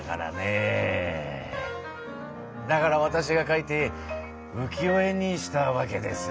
だからわたしが描いて浮世絵にしたわけです。